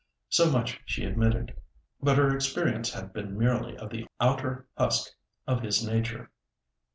So much she admitted. But her experience had been merely of the outer husk of his nature.